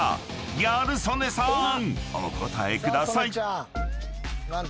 ［ギャル曽根さんお答えください］何だ？